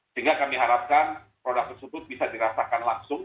sehingga kami harapkan produk tersebut bisa dirasakan langsung